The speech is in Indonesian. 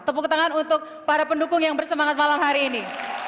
tepuk tangan untuk para pendukung yang bersemangat malam hari ini